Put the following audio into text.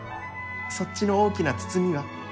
そっちの大きな包みは？